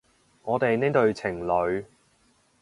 我哋呢對情侣